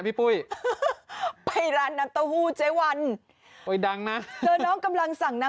พี่ปุ้ยไปร้านน้ำเต้าหู้เจ๊วันไปดังนะเธอน้องกำลังสั่งน้ำ